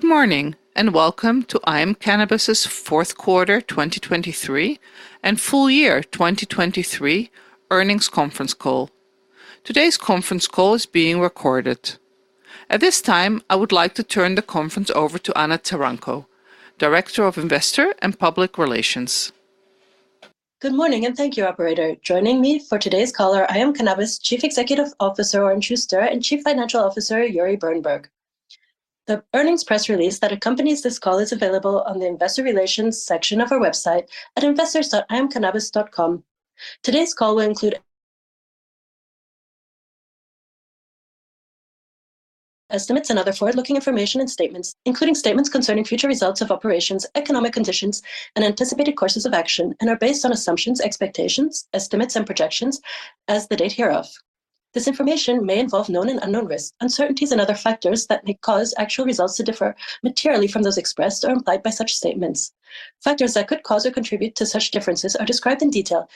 Good morning and welcome to IM Cannabis's fourth quarter 2023 and full year 2023 earnings conference call. Today's conference call is being recorded. At this time, I would like to turn the conference over to Anna Taranko, Director of Investor and Public Relations. Good morning and thank you, Operator. Joining me for today's call are IM Cannabis Chief Executive Officer Oren Shuster and Chief Financial Officer Uri Birenberg. The earnings press release that accompanies this call is available on the Investor Relations section of our website at investors.imcannabis.com. Today's call will include estimates and other forward-looking information and statements, including statements concerning future results of operations, economic conditions, and anticipated courses of action, and are based on assumptions, expectations, estimates, and projections as the date hereof. This information may involve known and unknown risks, uncertainties, and other factors that may cause actual results to differ materially from those expressed or implied by such statements. Factors that could cause or contribute to such differences are described in detail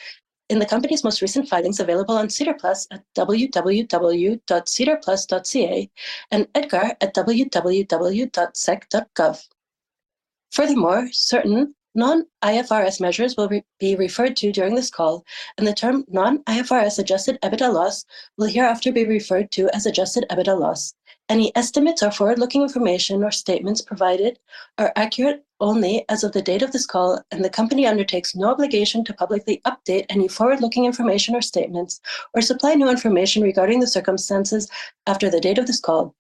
in the company's most recent filings available on SEDAR+ at www.sedarplus.ca and EDGAR at www.sec.gov. Furthermore, certain non-IFRS measures will be referred to during this call, and the term non-IFRS adjusted EBITDA loss will hereafter be referred to as adjusted EBITDA loss. Any estimates or forward-looking information or statements provided are accurate only as of the date of this call, and the company undertakes no obligation to publicly update any forward-looking information or statements or supply new information regarding the circumstances after the date of this call.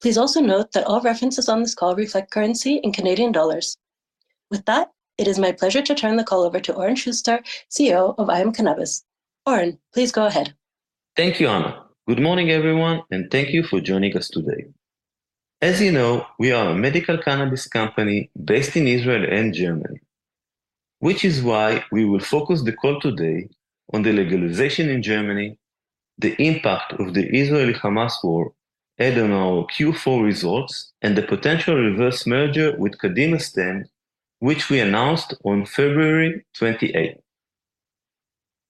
Please also note that all references on this call reflect currency in Canadian dollars. With that, it is my pleasure to turn the call over to Oren Shuster, CEO of IM Cannabis. Oren, please go ahead. Thank you, Anna. Good morning, everyone, and thank you for joining us today. As you know, we are a medical cannabis company based in Israel and Germany, which is why we will focus the call today on the legalization in Germany, the impact of the Israeli-Hamas war, and on our Q4 results and the potential reverse merger with Kadimastem, which we announced on February 28th.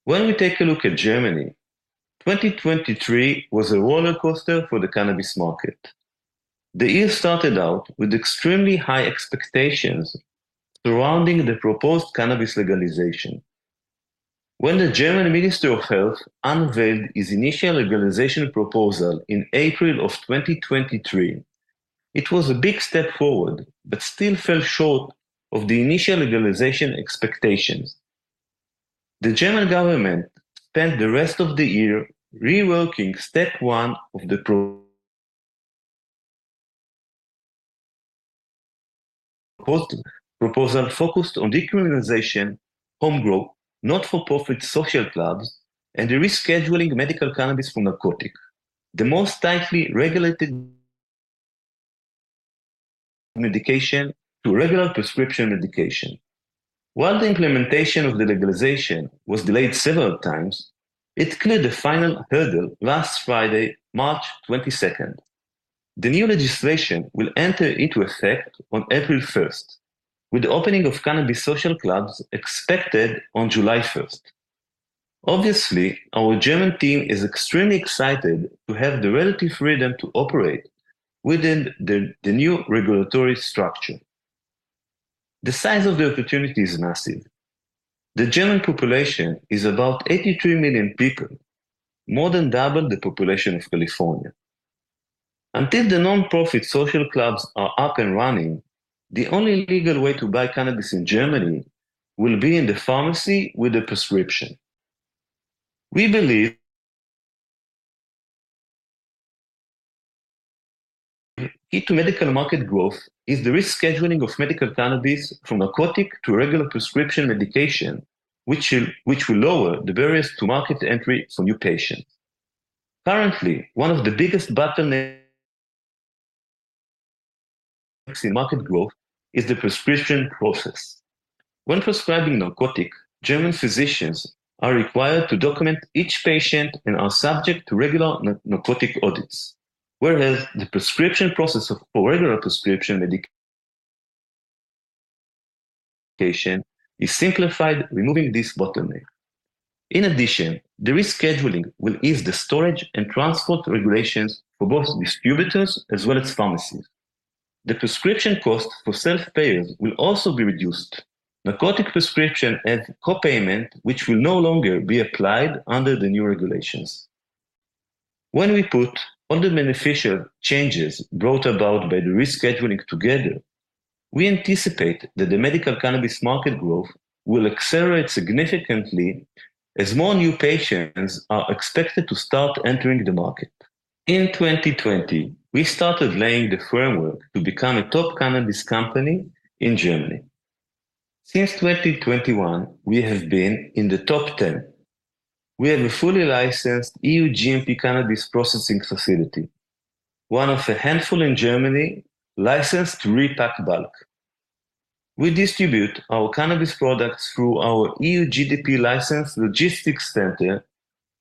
When we take a look at Germany, 2023 was a roller coaster for the cannabis market. The year started out with extremely high expectations surrounding the proposed cannabis legalization. When the German Minister of Health unveiled his initial legalization proposal in April of 2023, it was a big step forward, but still fell short of the initial legalization expectations. The German government spent the rest of the year reworking step one of the proposal focused on decriminalization, home grow, not-for-profit social clubs, and the rescheduling medical cannabis from narcotic, the most tightly regulated medication to regular prescription medication. While the implementation of the legalization was delayed several times, it cleared the final hurdle last Friday, March 22nd. The new legislation will enter into effect on April 1st, with the opening of cannabis social clubs expected on July 1st. Obviously, our German team is extremely excited to have the relative freedom to operate within the new regulatory structure. The size of the opportunity is massive. The German population is about 83 million people, more than double the population of California. Until the non-profit social clubs are up and running, the only legal way to buy cannabis in Germany will be in the pharmacy with a prescription. We believe the key to medical market growth is the rescheduling of medical cannabis from narcotic to regular prescription medication, which will lower the barriers to market entry for new patients. Currently, one of the biggest bottlenecks in market growth is the prescription process. When prescribing narcotic, German physicians are required to document each patient and are subject to regular narcotic audits, whereas the prescription process for regular prescription medication is simplified, removing this bottleneck. In addition, the rescheduling will ease the storage and transport regulations for both distributors as well as pharmacies. The prescription cost for self-payers will also be reduced. Narcotic prescription adds copayment, which will no longer be applied under the new regulations. When we put all the beneficial changes brought about by the rescheduling together, we anticipate that the medical cannabis market growth will accelerate significantly as more new patients are expected to start entering the market. In 2020, we started laying the framework to become a top cannabis company in Germany. Since 2021, we have been in the top 10. We have a fully licensed EU GMP cannabis processing facility, one of a handful in Germany, licensed to repack bulk. We distribute our cannabis products through our EU GDP license logistics center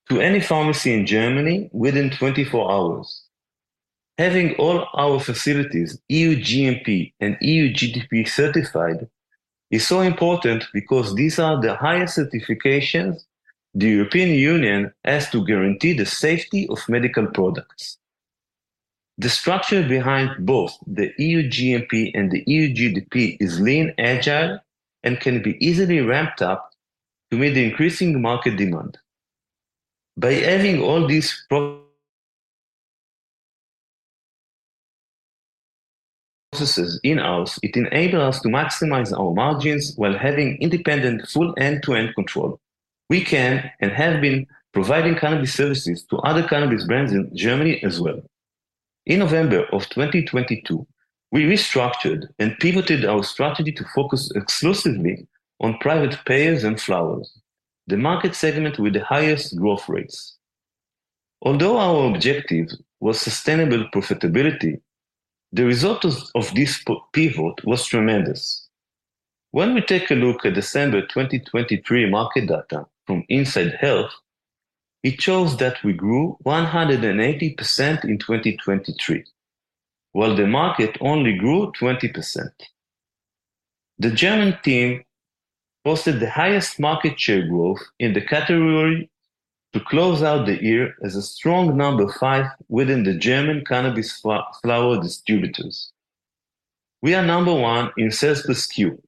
to any pharmacy in Germany within 24 hours. Having all our facilities EU GMP and EU GDP certified is so important because these are the highest certifications the European Union has to guarantee the safety of medical products. The structure behind both the EU GMP and the EU GDP is lean, agile, and can be easily ramped up to meet the increasing market demand. By having all these processes in-house, it enables us to maximize our margins while having independent full end-to-end control. We can and have been providing cannabis services to other cannabis brands in Germany as well. In November of 2022, we restructured and pivoted our strategy to focus exclusively on private payers and flowers, the market segment with the highest growth rates. Although our objective was sustainable profitability, the result of this pivot was tremendous. When we take a look at December 2023 market data from Insight Health, it shows that we grew 180% in 2023, while the market only grew 20%. The German team posted the highest market share growth in the category to close out the year as a strong number 5 within the German cannabis flower distributors. We are number 1 in sales per skew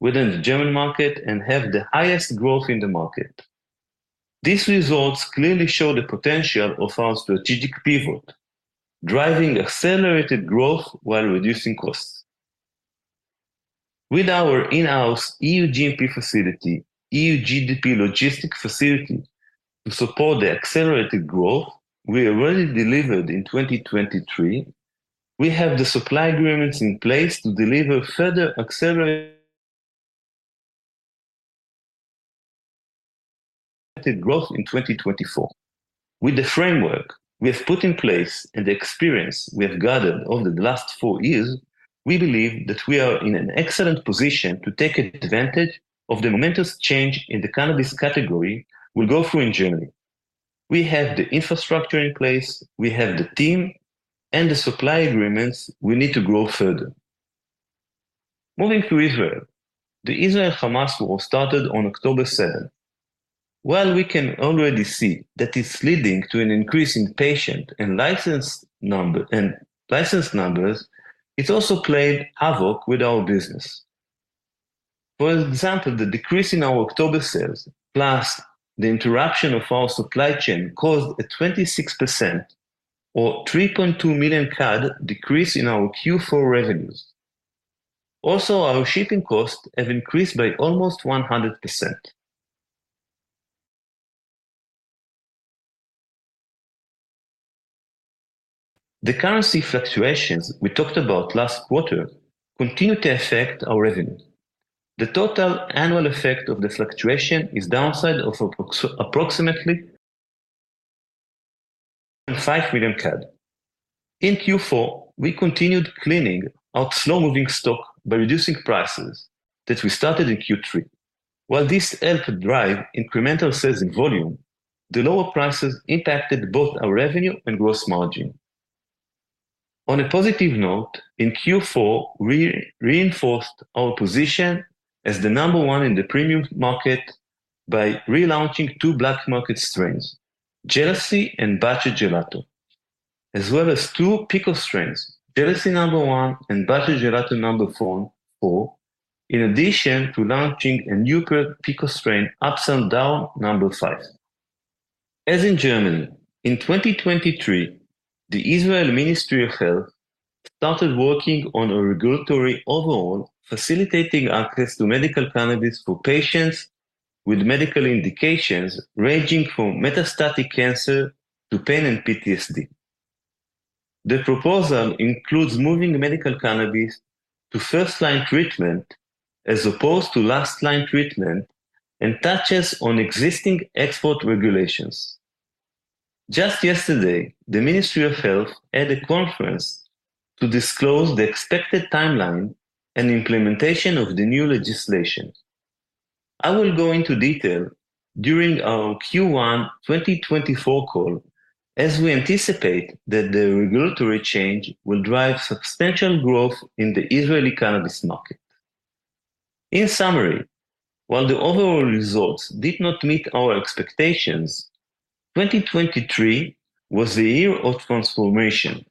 within the German market and have the highest growth in the market. These results clearly show the potential of our strategic pivot, driving accelerated growth while reducing costs. With our in-house EU GMP facility, EU GDP logistic facility to support the accelerated growth we already delivered in 2023, we have the supply agreements in place to deliver further accelerated growth in 2024. With the framework we have put in place and the experience we have gathered over the last 4 years, we believe that we are in an excellent position to take advantage of the momentous change in the cannabis category we'll go through in Germany. We have the infrastructure in place, we have the team, and the supply agreements we need to grow further. Moving to Israel, the Israel-Hamas war started on October 7th. While we can already see that it's leading to an increase in patient and licensed numbers, it's also played havoc with our business. For example, the decrease in our October sales plus the interruption of our supply chain caused a 26% or 3.2 million CAD decrease in our Q4 revenues. Also, our shipping costs have increased by almost 100%. The currency fluctuations we talked about last quarter continue to affect our revenue. The total annual effect of the fluctuation is downside of approximately 5 million CAD. In Q4, we continued cleaning out slow-moving stock by reducing prices that we started in Q3. While this helped drive incremental sales in volume, the lower prices impacted both our revenue and gross margin. On a positive note, in Q4, we reinforced our position as the number one in the premium market by relaunching two black market strains, Jealousy and Bacio Gelato, as well as two Pico strains, Jealousy No. 1 and Bacio Gelato No. 4, in addition to launching a new Pico strain, Upside Down No. 5. As in Germany, in 2023, the Israel Ministry of Health started working on a regulatory overhaul facilitating access to medical cannabis for patients with medical indications ranging from metastatic cancer to pain and PTSD. The proposal includes moving medical cannabis to first-line treatment as opposed to last-line treatment and touches on existing export regulations. Just yesterday, the Ministry of Health had a conference to disclose the expected timeline and implementation of the new legislation. I will go into detail during our Q1 2024 call as we anticipate that the regulatory change will drive substantial growth in the Israeli cannabis market. In summary, while the overall results did not meet our expectations, 2023 was the year of transformation.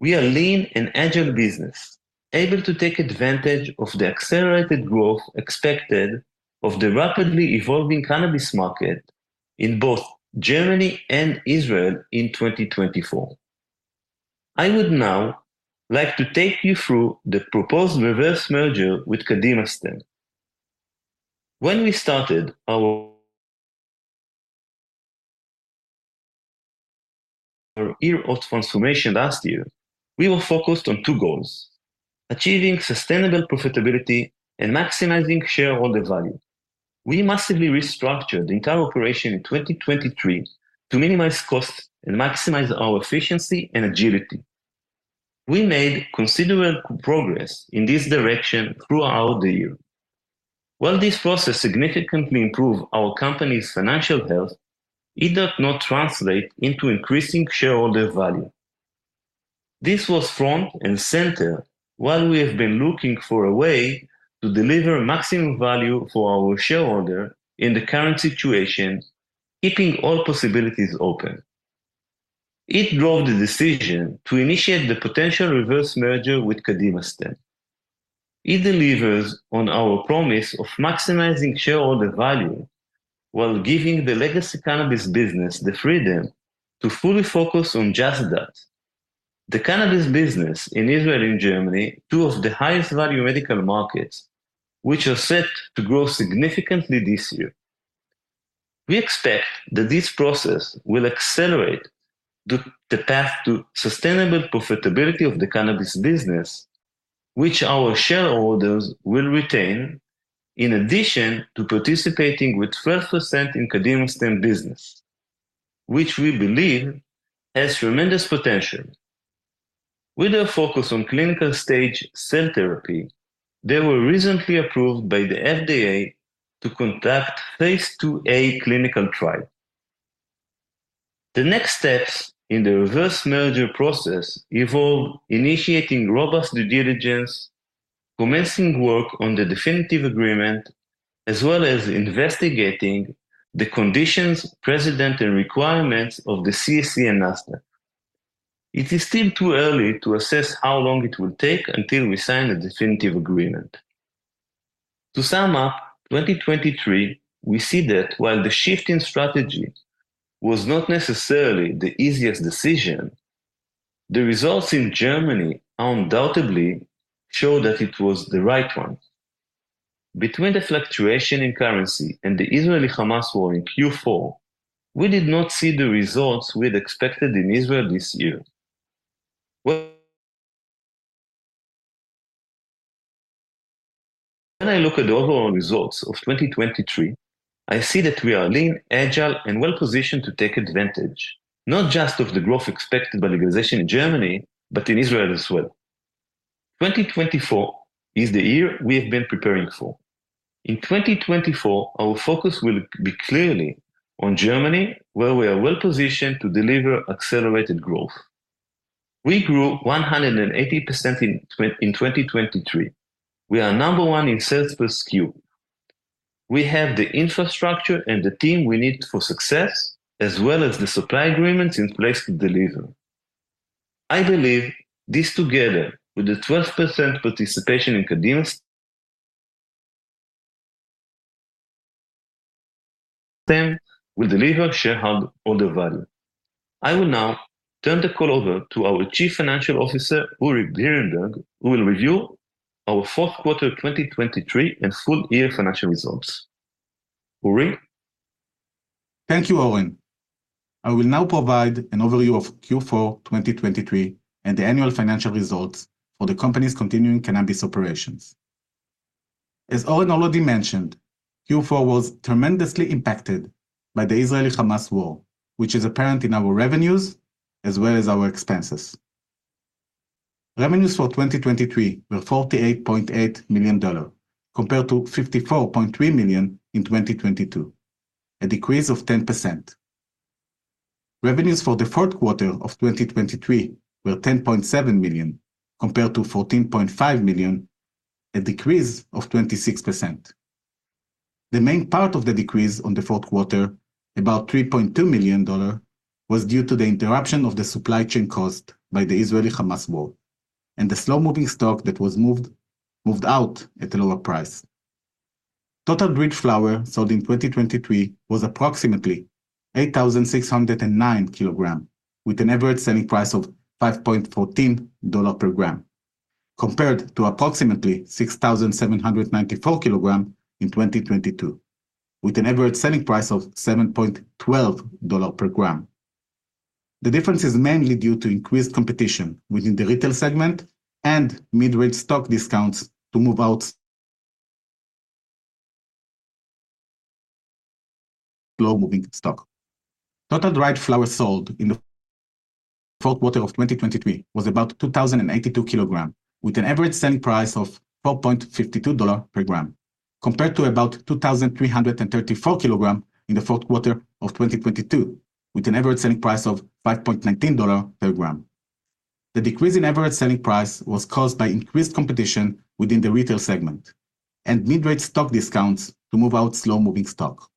We are lean and agile business, able to take advantage of the accelerated growth expected of the rapidly evolving cannabis market in both Germany and Israel in 2024. I would now like to take you through the proposed reverse merger with Kadimastem. When we started our year of transformation last year, we were focused on two goals, achieving sustainable profitability and maximizing shareholder value. We massively restructured the entire operation in 2023 to minimize costs and maximize our efficiency and agility. We made considerable progress in this direction throughout the year. While this process significantly improved our company's financial health, it does not translate into increasing shareholder value. This was front and center while we have been looking for a way to deliver maximum value for our shareholder in the current situation, keeping all possibilities open. It drove the decision to initiate the potential reverse merger with Kadimastem. It delivers on our promise of maximizing shareholder value while giving the legacy cannabis business the freedom to fully focus on just that, the cannabis business in Israel and Germany, two of the highest value medical markets, which are set to grow significantly this year. We expect that this process will accelerate the path to sustainable profitability of the cannabis business, which our shareholders will retain in addition to participating with 12% in Kadimastem business, which we believe has tremendous potential. With a focus on clinical stage cell therapy, they were recently approved by the FDA to conduct phase II-A clinical trial. The next steps in the reverse merger process involve initiating robust due diligence, commencing work on the definitive agreement, as well as investigating the conditions precedent and requirements of the CSE and Nasdaq. It is still too early to assess how long it will take until we sign a definitive agreement. To sum up 2023, we see that while the shift in strategy was not necessarily the easiest decision, the results in Germany undoubtedly show that it was the right one. Between the fluctuation in currency and the Israeli-Hamas war in Q4, we did not see the results we had expected in Israel this year. When I look at the overall results of 2023, I see that we are lean, agile, and well-positioned to take advantage, not just of the growth expected by legalization in Germany, but in Israel as well. 2024 is the year we have been preparing for. In 2024, our focus will be clearly on Germany, where we are well-positioned to deliver accelerated growth. We grew 180% in 2023. We are number one in sales per SKU. We have the infrastructure and the team we need for success, as well as the supply agreements in place to deliver. I believe this together with the 12% participation in Kadimastem will deliver shareholder value. I will now turn the call over to our Chief Financial Officer, Uri Birenberg, who will review our fourth quarter 2023 and full year financial results. Uri. Thank you, Oren. I will now provide an overview of Q4 2023 and the annual financial results for the company's continuing cannabis operations. As Oren already mentioned, Q4 was tremendously impacted by the Israel-Hamas war, which is apparent in our revenues as well as our expenses. Revenues for 2023 were $48.8 million compared to $54.3 million in 2022, a decrease of 10%. Revenues for the fourth quarter of 2023 were $10.7 million compared to $14.5 million, a decrease of 26%. The main part of the decrease on the fourth quarter, about $3.2 million, was due to the interruption of the supply chain caused by the Israel-Hamas war and the slow-moving stock that was moved out at a lower price. Total bridged flower sold in 2023 was approximately 8,609 kilograms, with an average selling price of 5.14 dollars per gram, compared to approximately 6,794 kilograms in 2022, with an average selling price of 7.12 dollar per gram. The difference is mainly due to increased competition within the retail segment and mid-range stock discounts to move out slow-moving stock. Total dried flower sold in the fourth quarter of 2023 was about 2,082 kilograms, with an average selling price of 4.52 dollar per gram, compared to about 2,334 kilograms in the fourth quarter of 2022, with an average selling price of 5.19 dollar per gram. The decrease in average selling price was caused by increased competition within the retail segment and mid-range stock discounts to move out slow-moving stock.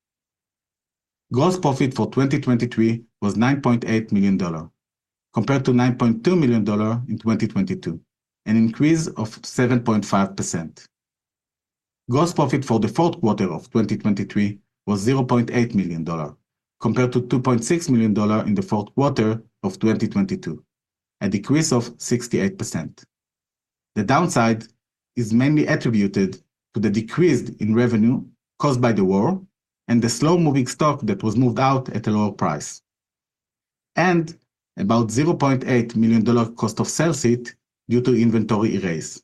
Gross profit for 2023 was 9.8 million dollar, compared to 9.2 million dollar in 2022, an increase of 7.5%. Gross profit for the fourth quarter of 2023 was 0.8 million dollar, compared to 2.6 million dollar in the fourth quarter of 2022, a decrease of 68%. The downside is mainly attributed to the decrease in revenue caused by the war and the slow-moving stock that was moved out at a lower price, and about 0.8 million dollar cost of sales hit due to inventory erase.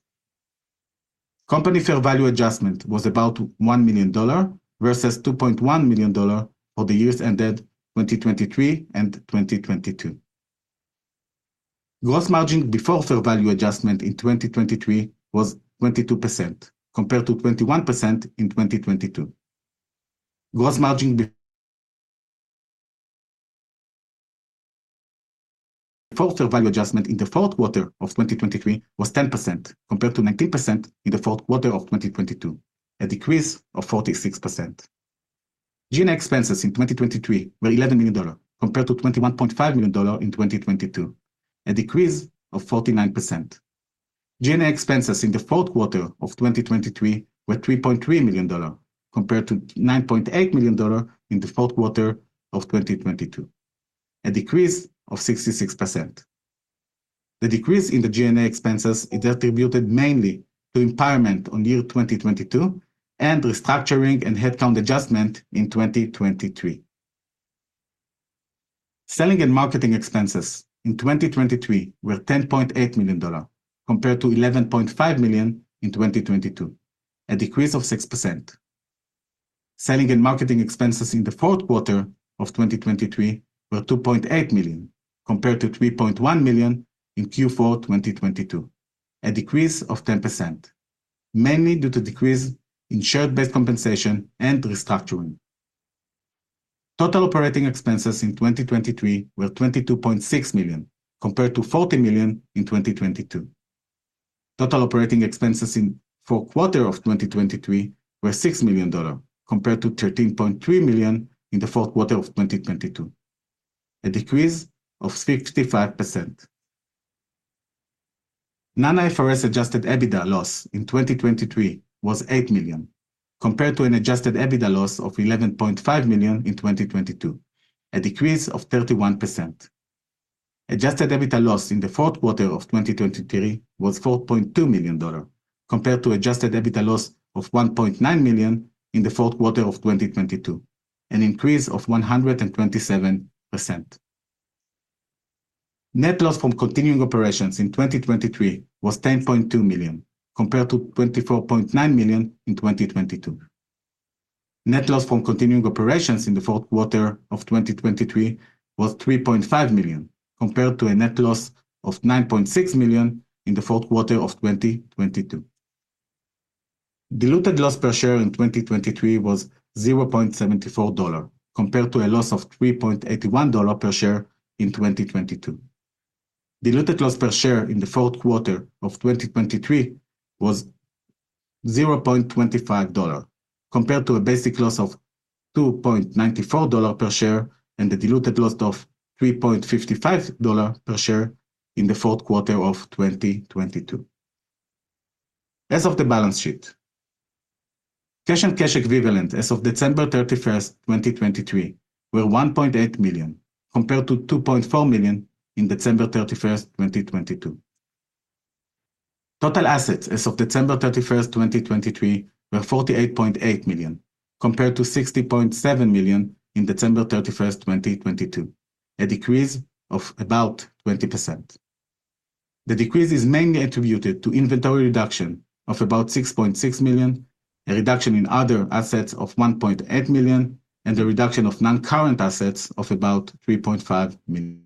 Company fair value adjustment was about 1 million dollar versus 2.1 million dollar for the years ended 2023 and 2022. Gross margin before fair value adjustment in 2023 was 22%, compared to 21% in 2022. Gross margin before fair value adjustment in the fourth quarter of 2023 was 10%, compared to 19% in the fourth quarter of 2022, a decrease of 46%. G&A expenses in 2023 were 11 million dollars, compared to 21.5 million dollars in 2022, a decrease of 49%. G&A expenses in the fourth quarter of 2023 were 3.3 million dollar, compared to 9.8 million dollar in the fourth quarter of 2022, a decrease of 66%. The decrease in the G&A expenses is attributed mainly to impairment on year 2022 and restructuring and headcount adjustment in 2023. Selling and marketing expenses in 2023 were 10.8 million dollar, compared to 11.5 million in 2022, a decrease of 6%. Selling and marketing expenses in the fourth quarter of 2023 were 2.8 million, compared to 3.1 million in Q4 2022, a decrease of 10%, mainly due to decrease in share-based compensation and restructuring. Total operating expenses in 2023 were 22.6 million, compared to 40 million in 2022. Total operating expenses in the fourth quarter of 2023 were 6 million dollar, compared to 13.3 million in the fourth quarter of 2022, a decrease of 55%. Non-IFRS adjusted EBITDA loss in 2023 was $8 million, compared to an adjusted EBITDA loss of $11.5 million in 2022, a decrease of 31%. Adjusted EBITDA loss in the fourth quarter of 2023 was $4.2 million, compared to adjusted EBITDA loss of $1.9 million in the fourth quarter of 2022, an increase of 127%. Net loss from continuing operations in 2023 was $10.2 million, compared to $24.9 million in 2022. Net loss from continuing operations in the fourth quarter of 2023 was $3.5 million, compared to a net loss of $9.6 million in the fourth quarter of 2022. Diluted loss per share in 2023 was $0.74, compared to a loss of $3.81 per share in 2022. Diluted loss per share in the fourth quarter of 2023 was $0.25, compared to a basic loss of $2.94 per share and the diluted loss of $3.55 per share in the fourth quarter of 2022. As of the balance sheet, cash and cash equivalent as of December 31, 2023, were $1.8 million, compared to $2.4 million in December 31, 2022. Total assets as of December 31, 2023, were $48.8 million, compared to $60.7 million in December 31, 2022, a decrease of about 20%. The decrease is mainly attributed to inventory reduction of about $6.6 million, a reduction in other assets of $1.8 million, and a reduction of non-current assets of about $3.5 million.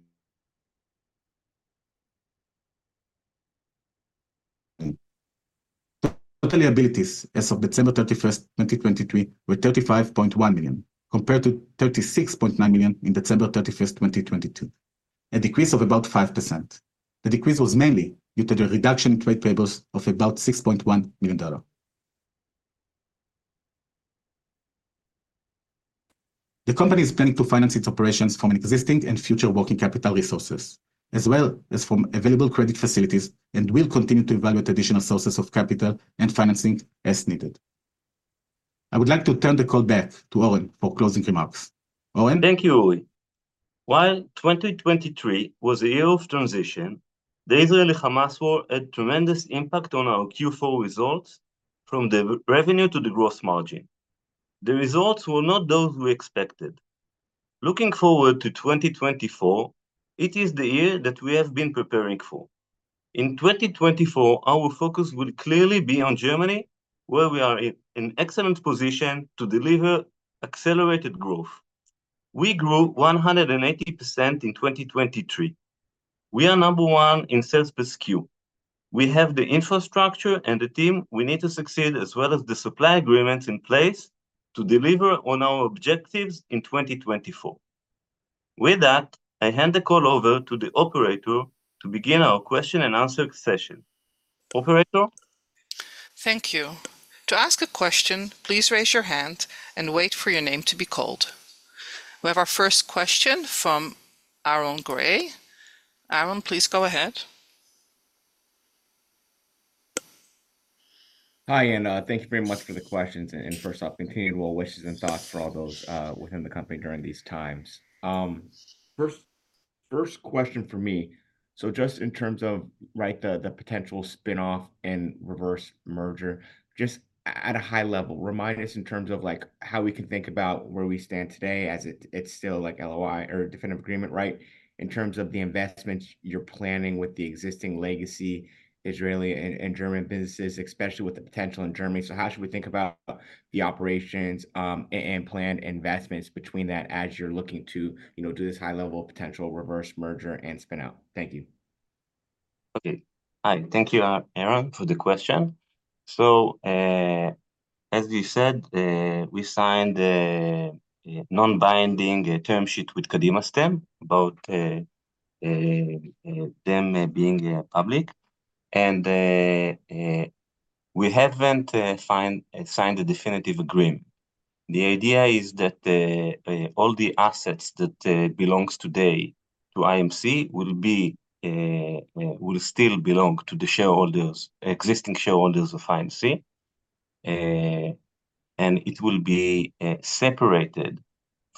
Total liabilities as of December 31, 2023, were $35.1 million, compared to $36.9 million in December 31, 2022, a decrease of about 5%. The decrease was mainly due to the reduction in trade payables of about $6.1 million. The company is planning to finance its operations from existing and future working capital resources, as well as from available credit facilities, and will continue to evaluate additional sources of capital and financing as needed. I would like to turn the call back to Oren for closing remarks. Oren. Thank you, Uri. While 2023 was a year of transition, the Israeli-Hamas war had a tremendous impact on our Q4 results, from the revenue to the gross margin. The results were not those we expected. Looking forward to 2024, it is the year that we have been preparing for. In 2024, our focus will clearly be on Germany, where we are in an excellent position to deliver accelerated growth. We grew 180% in 2023. We are number one in sales per skew. We have the infrastructure and the team we need to succeed, as well as the supply agreements in place to deliver on our objectives in 2024. With that, I hand the call over to the operator to begin our question-and-answer session. Operator. Thank you. To ask a question, please raise your hand and wait for your name to be called. We have our first question from Aaron Grey. Aaron, please go ahead. Hi, and thank you very much for the questions. First, I'll continue to send wishes and thoughts for all those within the company during these times. First question for me, so just in terms of the potential spinoff and reverse merger, just at a high level, remind us in terms of how we can think about where we stand today as it's still like LOI or definitive agreement, right? In terms of the investments you're planning with the existing legacy Israeli and German businesses, especially with the potential in Germany. So how should we think about the operations and planned investments between that as you're looking to do this high-level potential reverse merger and spin-out? Thank you. Hi. Thank you, Aaron, for the question. So, as you said, we signed a non-binding term sheet with Kadimastem, about them being public. And we haven't signed a definitive agreement. The idea is that all the assets that belong today to IMC will still belong to the existing shareholders of IMC, and it will be separated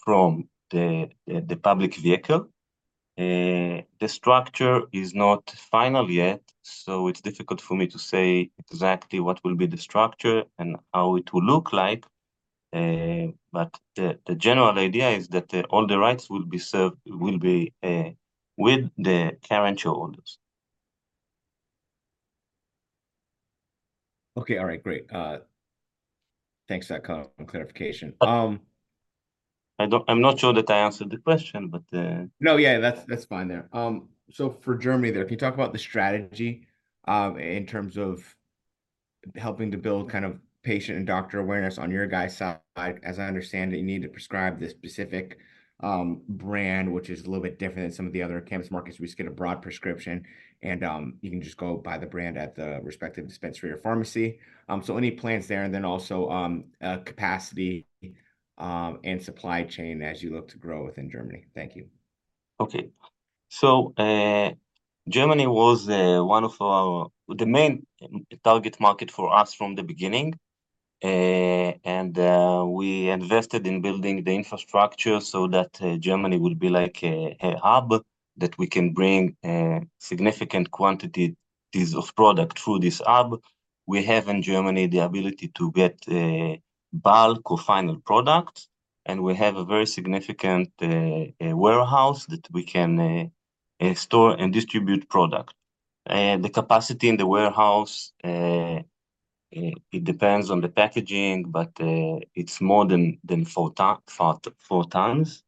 from the public vehicle. The structure is not final yet, so it's difficult for me to say exactly what will be the structure and how it will look like. But the general idea is that all the rights will be with the current shareholders. Okay. All right. Great. Thanks for that clarification. I'm not sure that I answered the question, but. No, yeah, that's fine there. So for Germany there, can you talk about the strategy in terms of helping to build kind of patient and doctor awareness on your guys' side? As I understand it, you need to prescribe this specific brand, which is a little bit different than some of the other cannabis markets. We just get a broad prescription, and you can just go buy the brand at the respective dispensary or pharmacy. So any plans there? And then also capacity and supply chain as you look to grow within Germany. Thank you. Okay. So Germany was one of the main target markets for us from the beginning. We invested in building the infrastructure so that Germany would be like a hub that we can bring significant quantities of product through this hub. We have in Germany the ability to get bulk or final products, and we have a very significant warehouse that we can store and distribute product. The capacity in the warehouse, it depends on the packaging, but it's more than 4 tons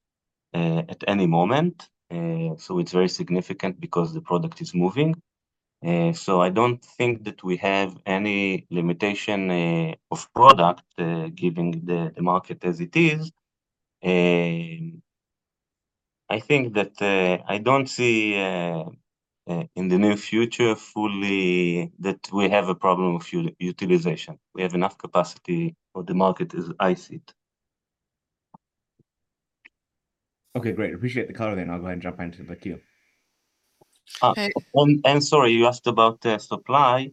at any moment. So it's very significant because the product is moving. So I don't think that we have any limitation of product given the market as it is. I think that I don't see in the near future that we have a problem of utilization. We have enough capacity, or the market is as it is. Okay. Great. Appreciate the call there. I'll go ahead and jump into the queue. Sorry, you asked about supply.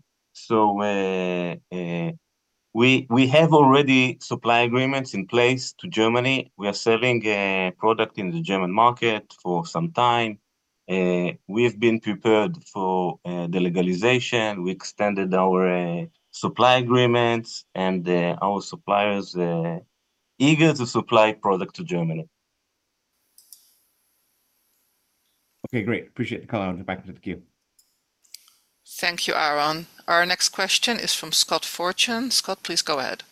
We have already supply agreements in place to Germany. We are selling product in the German market for some time. We've been prepared for the legalization. We extended our supply agreements, and our supplier is eager to supply product to Germany. Okay. Great. Appreciate the call. I'll jump back into the queue. Thank you, Aaron. Our next question is from Scott Fortune. Scott, please go ahead.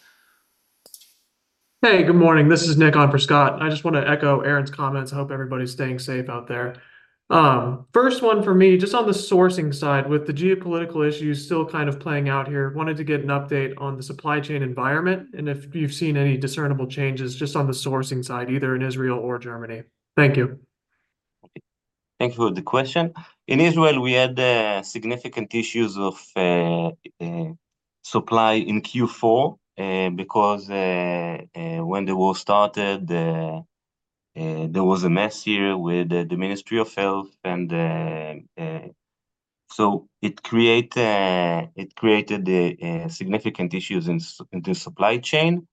Hey, good morning. This is Nick on for Scott. I just want to echo Aaron's comments. I hope everybody's staying safe out there. First one for me, just on the sourcing side, with the geopolitical issues still kind of playing out here, wanted to get an update on the supply chain environment and if you've seen any discernible changes just on the sourcing side, either in Israel or Germany. Thank you. Thank you for the question. In Israel, we had significant issues of supply in Q4 because when the war started, there was a mess here with the Ministry of Health, and so it created significant issues in the supply chain.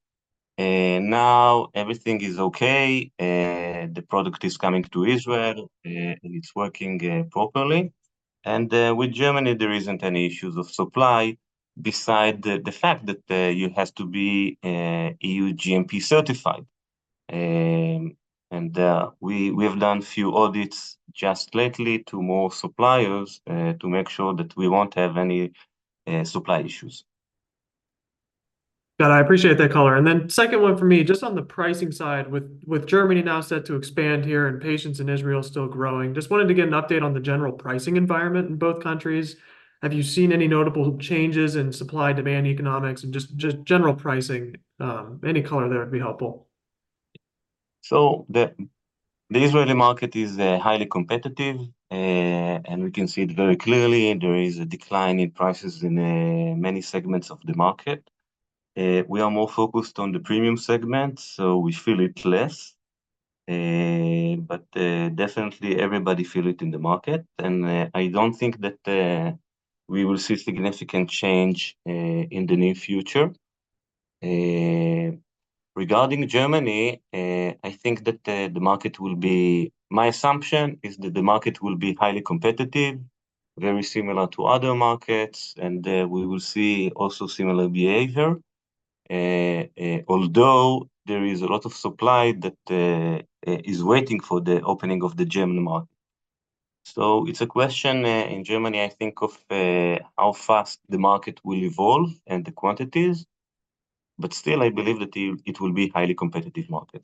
Now everything is okay. The product is coming to Israel, and it's working properly. And with Germany, there isn't any issues of supply besides the fact that you have to be EU GMP certified. And we have done a few audits just lately to more suppliers to make sure that we won't have any supply issues. Got it. I appreciate that call, Aaron. Second one for me, just on the pricing side, with Germany now set to expand here and patients in Israel still growing, just wanted to get an update on the general pricing environment in both countries. Have you seen any notable changes in supply-demand economics and just general pricing? Any color there would be helpful. The Israeli market is highly competitive, and we can see it very clearly. There is a decline in prices in many segments of the market. We are more focused on the premium segment, so we feel it less. Definitely, everybody feels it in the market. I don't think that we will see significant change in the near future. Regarding Germany, I think that the market will be. My assumption is that the market will be highly competitive, very similar to other markets, and we will see also similar behavior, although there is a lot of supply that is waiting for the opening of the German market. It's a question in Germany, I think, of how fast the market will evolve and the quantities. Still, I believe that it will be a highly competitive market.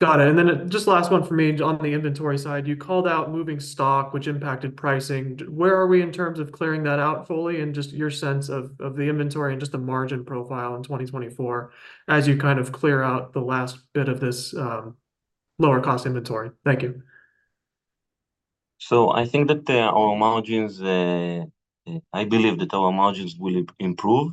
Got it. And then just last one for me on the inventory side. You called out moving stock, which impacted pricing. Where are we in terms of clearing that out fully and just your sense of the inventory and just the margin profile in 2024 as you kind of clear out the last bit of this lower-cost inventory? Thank you. So I think that our margins I believe that our margins will improve.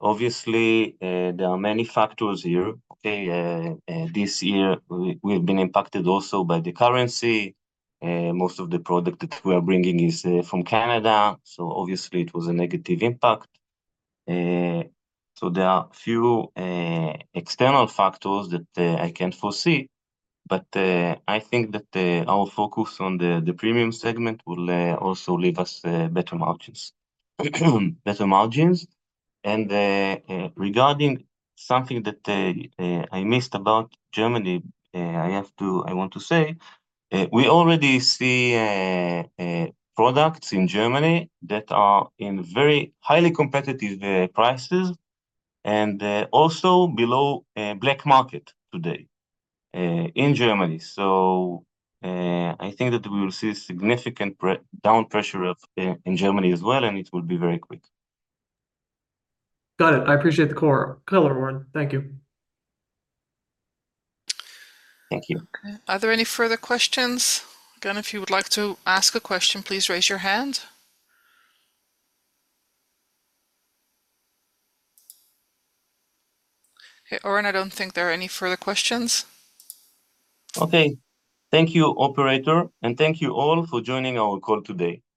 Obviously, there are many factors here. Okay? This year, we've been impacted also by the currency. Most of the product that we are bringing is from Canada. So obviously, it was a negative impact. So there are a few external factors that I can't foresee. But I think that our focus on the premium segment will also leave us better margins. And regarding something that I missed about Germany, I want to say we already see products in Germany that are in very highly competitive prices and also below black market today in Germany. So I think that we will see significant down pressure in Germany as well, and it will be very quick. Got it. I appreciate the call, Aaron. Thank you. Thank you. Okay. Are there any further questions? Again, if you would like to ask a question, please raise your hand. Okay. Oren, I don't think there are any further questions. Okay. Thank you, operator. Thank you all for joining our call today.